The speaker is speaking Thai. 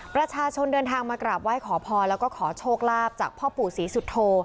ประชาชนเดินทางมากราบไหว้ขอพรแล้วก็ขอโชคลาภจากพ่อปู่ศรีสุโธ